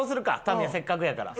タミヤせっかくやから。